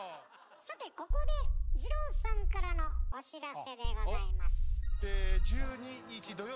さてここで二朗さんからのお知らせでございます。